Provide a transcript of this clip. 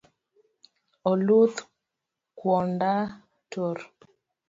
Oluth kuonda otur